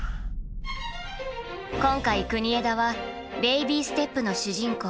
今回国枝は「ベイビーステップ」の主人公